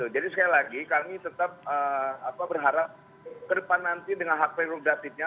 jadi sekali lagi kami tetap berharap ke depan nanti dengan hak prerogatifnya